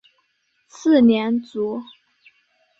次年卒。